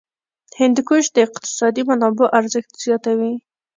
هندوکش د اقتصادي منابعو ارزښت زیاتوي.